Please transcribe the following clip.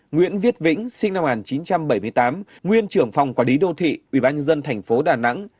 nguyễn viết vĩnh sinh năm một nghìn chín trăm bảy mươi tám nguyên trưởng phòng quả lý đô thị ủy ban nhân dân tp đà nẵng